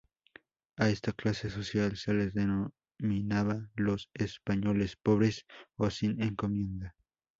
A esta clase social se les denominaba los "españoles pobres o sin encomienda".